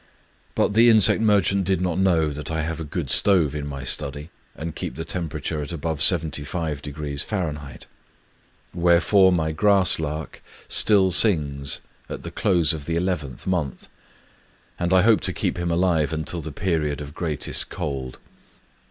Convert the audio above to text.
But the insect merchant did not know that I have a good stove in my study, and keep the tempera ture at above 75° F. Wherefore my grass lark still sings at the close of the eleventh month, and I hope to keep him alive until the Period of Greatest Cold.